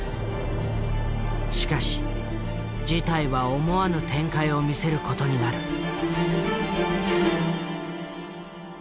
しかし事態は思わぬ展開を見せる事になる。